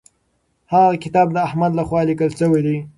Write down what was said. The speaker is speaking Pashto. هغه کتاب د احمد لخوا لیکل سوی دی.